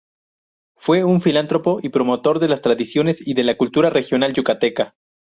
Fue un filántropo y promotor de las tradiciones y de la cultura regional yucateca.